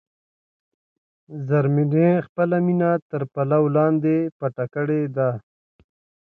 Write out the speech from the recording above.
زرمینې خپله مینه تر پلو لاندې پټه کړې ده.